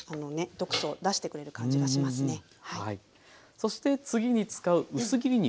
そして次に使う薄切り肉